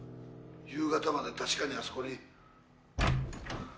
夕方まで確かにあそこに。